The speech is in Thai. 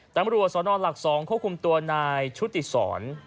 แต่มาดูว่าสอนอนหลักสองควบคุมตัวนายชุดติศร